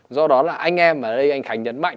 do đó là anh em ở đây anh khánh nhấn mạnh